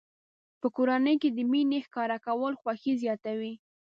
په کورنۍ کې د مینې ښکاره کول خوښي زیاتوي.